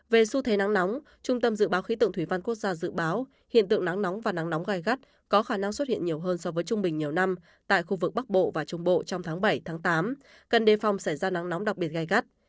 về xu thế nắng nóng trung tâm dự báo khí tượng thủy văn quốc gia dự báo hiện tượng nắng nóng và nắng nóng gai gắt có khả năng xuất hiện nhiều hơn so với trung bình nhiều năm tại khu vực bắc bộ và trung bộ trong tháng bảy tám cần đề phòng xảy ra nắng nóng đặc biệt gai gắt